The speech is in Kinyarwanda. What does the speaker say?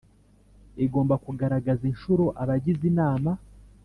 igomba kugaragaza inshuro abagize Inama